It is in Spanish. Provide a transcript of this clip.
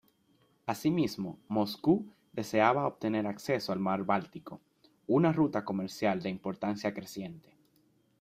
Asimismo, Moscú deseaba obtener acceso al mar Báltico, una ruta comercial de importancia creciente.